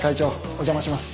お邪魔します。